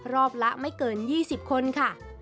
รอบละไม่เกิน๒๐คนค่ะ